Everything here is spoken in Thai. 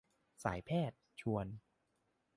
สายแพทย์ ชวน